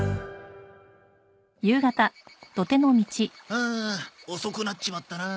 ああ遅くなっちまったな。